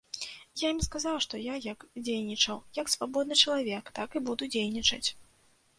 Я ім сказаў, што я як дзейнічаў як свабодны чалавек, так і буду дзейнічаць.